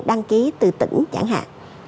đăng ký từ tỉnh chẳng hạn